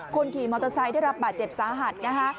คนขี่มอเตอร์ไซค์ได้รับบาดเจ็บสาหัสนะคะ